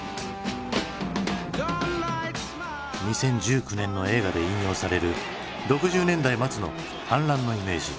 ２０１９年の映画で引用される６０年代末の反乱のイメージ。